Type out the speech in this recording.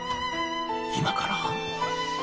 今から？